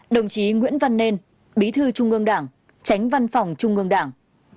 hai mươi đồng chí nguyễn văn nên bí thư trung ương đảng tránh văn phòng trung ương đảng